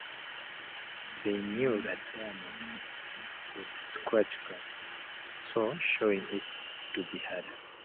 They knew that diamond could scratch quartz, so showing it to be harder.